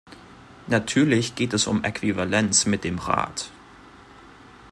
Natürlich geht es um Äquivalenz mit dem Rat.